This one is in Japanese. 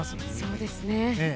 そうですね。